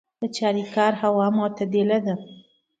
د چاریکار هوا معتدله ده